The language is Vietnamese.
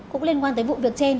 cũng liên quan tới vụ việc trên